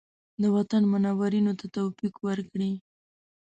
د وطن منورینو ته توفیق ورکړي.